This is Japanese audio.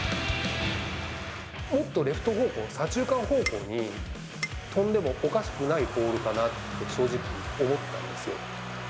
もっとレフト方向、左中間方向に飛んでもおかしくないボールかなって、正直思ったんですよ。